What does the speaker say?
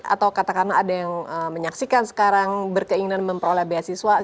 atau katakanlah ada yang menyaksikan sekarang berkeinginan memperoleh beasiswa